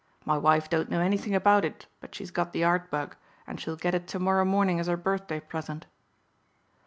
My wife don't know anything about it but she's got the art bug and she'll get it to morrow morning as her birthday present."